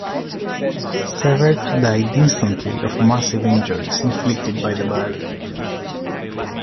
Cevert died instantly of massive injuries inflicted by the barrier.